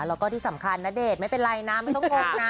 แล้วก็ที่สำคัญณเดชน์ไม่เป็นไรนะไม่ต้องงงนะ